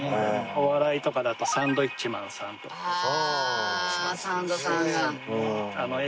お笑いとかだとサンドウィッチマンさんとか。ああサンドさんが。